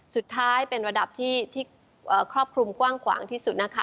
สุดท้ายเป็นระดับที่ครอบคลุมกว้างขวางที่สุดนะคะ